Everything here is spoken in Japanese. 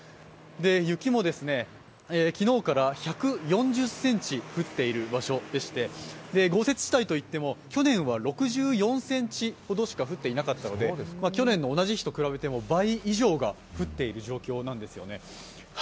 雪も昨日から１４０ｃｍ降っている場所でして豪雪地帯といっても去年は６４ｃｍほどしか降っていなかったので去年の同じ日と比べても、倍以上が降っている状況なんですよね。